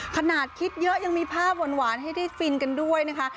ขนาดคิดเยอะยังมีภาพหวานให้ได้ฟินกันด้วยนะคะ